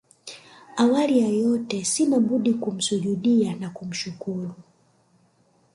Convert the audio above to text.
Awali ya yote sina budi kumsujudiya na kumshukuru